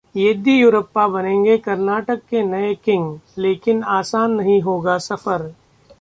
येदियुरप्पा बनेंगे कर्नाटक के नए किंग, लेकिन आसान नहीं होगा सफर